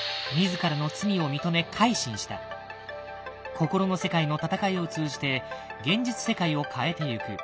心の世界の戦いを通じて現実世界を変えてゆく。